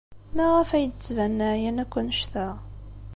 Maɣef ay d-ttbanen ɛyan akk anect-a?